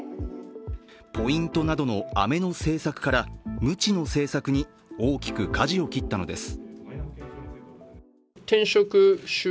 ポイントなどのアメの政策からムチの政策に大きく舵を切ったのです。